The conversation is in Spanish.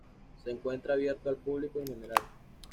Se encuentra abierto al púbico en general.